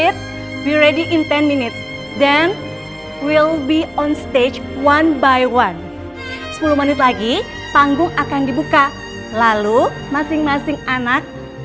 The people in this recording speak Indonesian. padahal apa sama mama ada janji gak telat